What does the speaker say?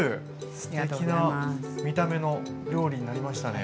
すてきな見た目の料理になりましたね。